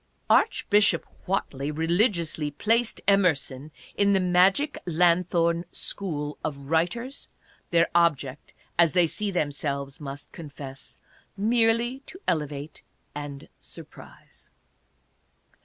Archbishop Whately religiously placed Emerson in the " magic lanthorn school" of writers, their object, as they them selves might confess, " merely to elevate and surprise."